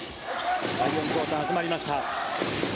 第４クオーター、始まりました。